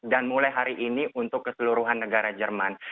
dan mulai hari ini untuk keseluruhan negara jerman